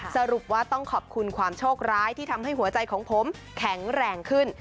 สรุปว่าต้องขอบคุณความโชคร้ายที่ทำให้หัวใจของผมแข็งแรงขึ้น